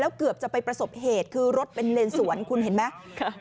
เกือบจะไปประสบเหตุคือรถเป็นเลนสวนคุณเห็นไหม